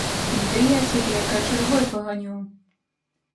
Ды я цябе качаргой паганю.